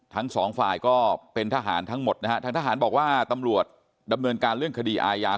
ทั้งสองฝ่ายก็เป็นทหารทั้งหมดนะฮะทางทหารบอกว่าตำรวจดำเนินการเรื่องคดีอาญา